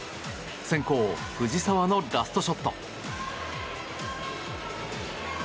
先攻、藤澤のラストショット。